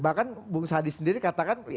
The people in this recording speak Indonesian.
bahkan bung sadi sendiri katakan